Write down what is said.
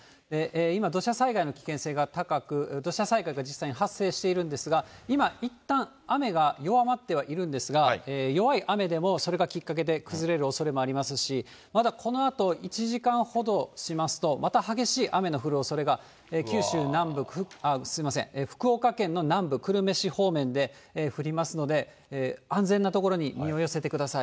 今、土砂災害の危険性が高く、土砂災害が実際に発生しているんですが、今、いったん雨が弱まって入るんですが、弱い雨でもそれがきっかけで崩れる恐れもありますし、まだこのあと１時間ほどしますと、また激しい雨の降るおそれが、福岡県の南部、久留米市方面で降りますので、安全な所に身を寄せてください。